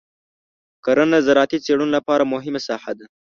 کرنه د زراعتي څېړنو لپاره مهمه ساحه ده.